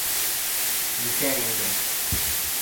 Етәр инде!